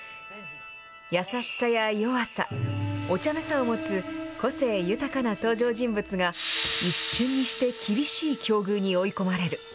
優しさや弱さ、おちゃめさを持つ個性豊かな登場人物が、一瞬にして厳しい境遇に追い込まれる。